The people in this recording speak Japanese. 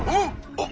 あっ！